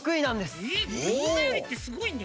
えっギョーザよりってすごいね。